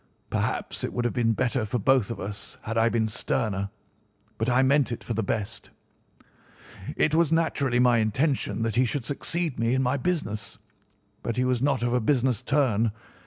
Perhaps it would have been better for both of us had I been sterner, but I meant it for the best. "It was naturally my intention that he should succeed me in my business, but he was not of a business turn.